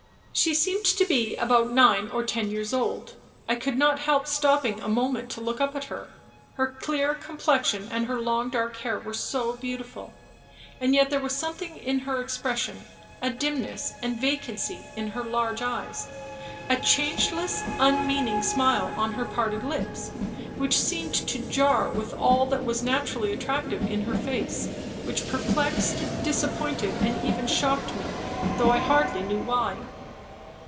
She seemed to be about nine or ten years old. I could not help stopping a moment to look up at her, her clear complexion and her long dark hair were so beautiful. And yet there was something in her expression a dimness and vacancy in her large eyes a changeless, unmeaning smile on her parted lips which seemed to jar with all that was naturally attractive in her face; which perplexed, disappointed, and even shocked me, though I hardy knew why.